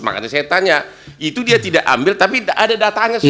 makanya saya tanya itu dia tidak ambil tapi ada datanya